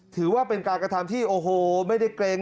ถือว่าเป็นการกระทำที่โอ้โหไม่ได้เกรง